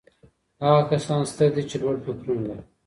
هغه کسان ستر دي چي لوړ فکرونه لري.